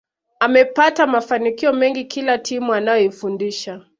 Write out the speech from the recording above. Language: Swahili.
Amepata mafanikio mengi kila timu aliyoifundisha